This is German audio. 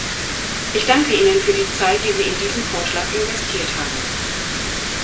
Ich danke ihnen für die Zeit, die sie in diesen Vorschlag investiert haben.